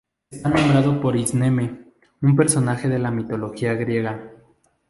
Está nombrado por Ismene, un personaje de la mitología griega.